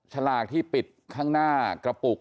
ฉลากที่ปิดข้างหน้ากระปุก